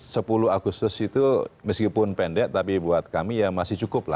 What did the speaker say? jadi sepuluh agustus itu meskipun pendek tapi buat kami ya masih cukup lama